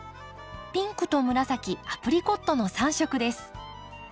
ピンクと紫アプリコットの３色です。